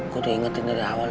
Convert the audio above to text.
gue udah ingetin dari awal